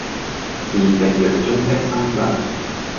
是夕陽中的新娘